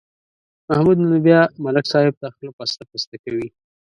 محمود نن بیا ملک صاحب ته خوله پسته پسته کوي.